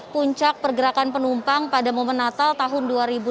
puncak pergerakan penumpang pada momen natal tahun dua ribu dua puluh